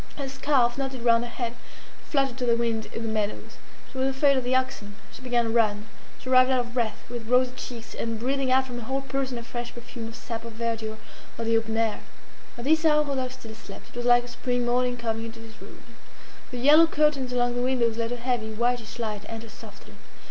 Her scarf, knotted round her head, fluttered to the wind in the meadows. She was afraid of the oxen; she began to run; she arrived out of breath, with rosy cheeks, and breathing out from her whole person a fresh perfume of sap, of verdure, of the open air. At this hour Rodolphe still slept. It was like a spring morning coming into his room. The yellow curtains along the windows let a heavy, whitish light enter softly.